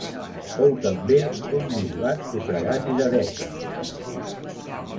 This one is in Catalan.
Fou també un bisbat, sufragani d'Edessa.